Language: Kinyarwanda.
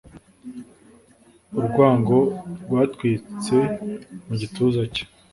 urwango rwatwitse mu gituza cye